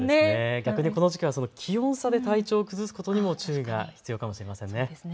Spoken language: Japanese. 逆にこの時期は気温差で体調を崩すことにも注意が必要かもしれませんね。